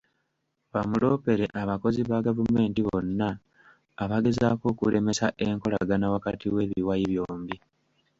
Bamuloopere abakozi ba gavumenti bonna abagezaako okulemesa enkolagana wakati w’ebiwayi byombi.